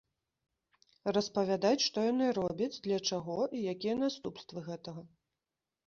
Распавядаць, што яны робяць, для чаго і якія наступствы гэтага.